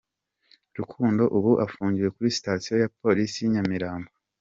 Rukundo ubu afungiwe kuri Station ya Polisi y’i Nyamirambo.